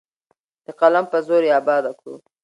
د قلم په زور یې اباده کړو.